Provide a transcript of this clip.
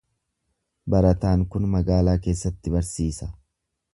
Barataan kun magaalaa keessatti barsiisa.